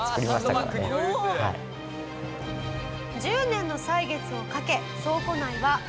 １０年の歳月をかけ倉庫内はＳＡＳＵＫＥ